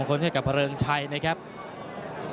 ส่วนคู่ต่อไปของกาวสีมือเจ้าระเข้ยวนะครับขอบคุณด้วย